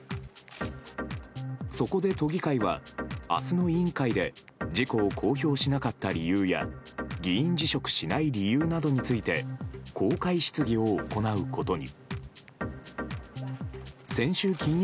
そこで都議会は、あすの委員会で、事故を公表しなかった理由や、議員辞職しない理由などについて、公開質疑を行うことに。